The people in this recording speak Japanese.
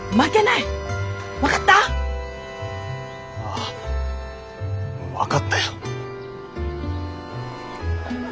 ああ分かったよ。